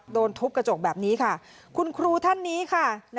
โดนทุบกระจกแบบนี้ค่ะคุณครูท่านนี้ค่ะ